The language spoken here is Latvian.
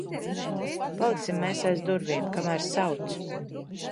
Paliksim mēs aiz durvīm, kamēr sauc.